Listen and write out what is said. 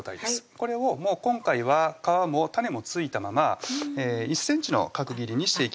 これをもう今回は皮も種も付いたまま１ｃｍの角切りにしていきます